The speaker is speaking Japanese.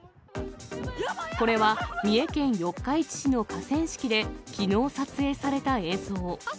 これは三重県四日市市の河川敷できのう撮影された映像。